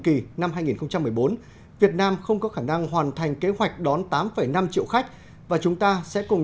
kỳ năm hai nghìn một mươi bốn việt nam không có khả năng hoàn thành kế hoạch đón tám năm triệu khách và chúng ta sẽ cùng